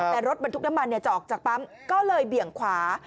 แต่รถบรรทุกน้ำมันจะออกจากปั๊มก็เลยเบี่ยงขวา